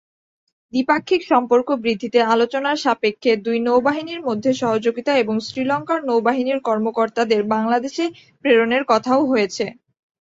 দ্বিপাক্ষিক সম্পর্ক বৃদ্ধিতে আলোচনার সাপেক্ষে, দুই নৌবাহিনীর মধ্যে সহযোগিতা এবং শ্রীলঙ্কার নৌবাহিনীর কর্মকর্তাদের বাংলাদেশে প্রেরণের কথাও হয়েছে।